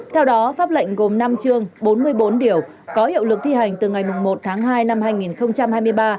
theo đó pháp lệnh gồm năm chương bốn mươi bốn điều có hiệu lực thi hành từ ngày một tháng hai năm hai nghìn hai mươi ba